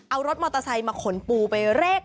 อันนี้มันเลือกป่ะ